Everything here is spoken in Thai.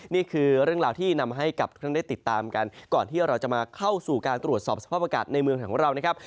นี่คือเรื่องราวที่นำให้กับทุกท่านได้ติดตามกันก่อนที่เราจะมาเข้าสู่การตรวจสอบสภาพอากาศในเมืองของเรานะครับ